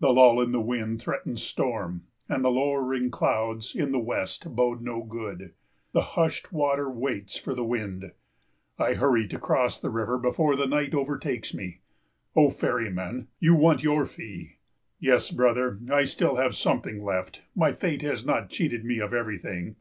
The lull in the wind threatens storm, and the lowering clouds in the west bode no good. The hushed water waits for the wind. I hurry to cross the river before the night overtakes me. O ferryman, you want your fee! Yes, brother, I have still something left. My fate has not cheated me of everything.